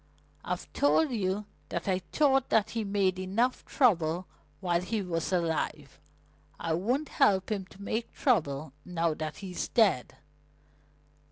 "I've told you that I thought that he made enough trouble while he was alive. I won't help him to make trouble now that he's dead."